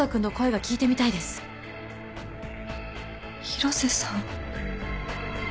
広瀬さん。